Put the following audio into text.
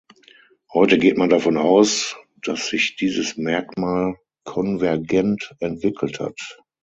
Heute geht man davon aus, dass sich dieses Merkmal konvergent entwickelt hat.